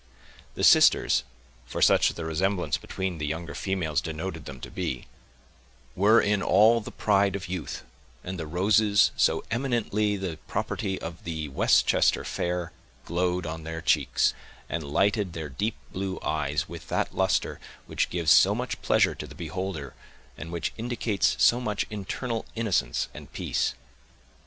The sisters, for such the resemblance between the younger females denoted them to be, were in all the pride of youth, and the roses, so eminently the property of the Westchester fair, glowed on their cheeks, and lighted their deep blue eyes with that luster which gives so much pleasure to the beholder, and which indicates so much internal innocence and peace.